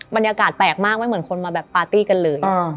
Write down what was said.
บรรยากาศแปลกมากไม่เหมือนคนมาแบบปาร์ตี้กันเลย